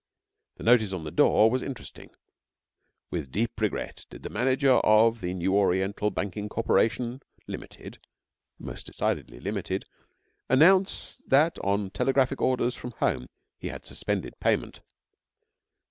The notice on the door was interesting. With deep regret did the manager of the New Oriental Banking Corporation, Limited (most decidedly limited), announce that on telegraphic orders from home he had suspended payment.